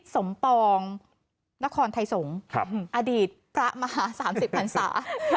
สมปองนครไทยสงฆ์อดีตประมาฮาสามสิบพรรษา